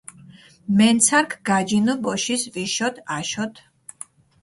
მენცარქ გაჯინჷ ბოშის ვიშოთ, აშოთ.